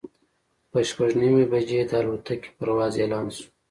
پر شپږ نیمې بجې د الوتکې پرواز اعلان شو.